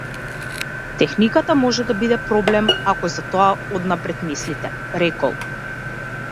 Техниката може да биде проблем ако за тоа однапред мислите, рекол.